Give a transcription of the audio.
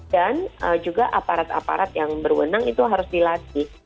dan juga aparat aparat yang berwenang itu harus dilatih